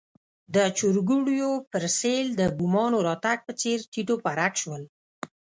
د چرګوړیو پر سېل د بومانو راتګ په څېر تیت و پرک شول.